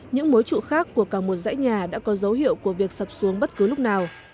những mối trụ khác của cả một dãy nhà đã có dấu hiệu của việc sập xuống bất cứ lúc nào